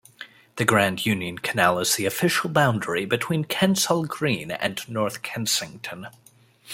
The Grand Union Canal is the official boundary between Kensal Green and North Kensington.